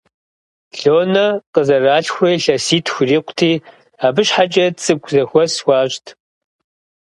Лонэ къызэралъхурэ илъэситху ирикъути, абы щхьэкӀэ цӀыкӀу зэхуэс хуащӀт.